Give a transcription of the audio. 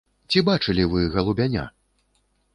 Ці бачылі вы галубяня?